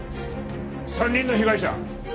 ３人の被害者。